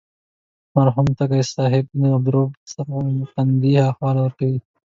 مرحوم تږی صاحب د عبدالرزاق سمرقندي حواله ورکوي.